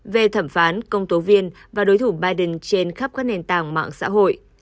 về thẩm phán công tố viên và đối thủ biden trên khắp các nền tảng mạng xã hội